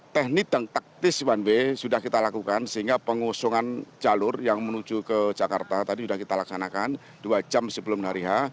teknik dan taktis one way sudah kita lakukan sehingga pengusungan jalur yang menuju ke jakarta tadi sudah kita laksanakan dua jam sebelum hari h